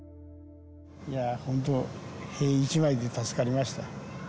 いやー、本当、塀一枚で助かりました。